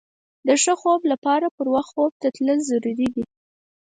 د ښه خوب لپاره پر وخت خوب ته تلل ضروري دي.